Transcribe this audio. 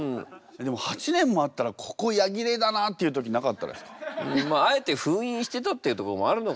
でも８年もあったらここ「や切れ」だなっていう時なかったですか？